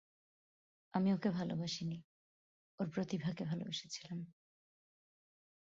আমি ওকে ভালোবাসিনি, ওর প্রতিভাকে ভালোবেসেছিলাম।